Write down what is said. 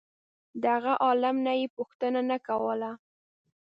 د هغه عالم نه یې پوښتنه نه کوله.